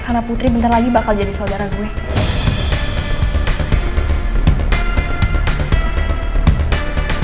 karena putri bentar lagi bakal jadi saudara gue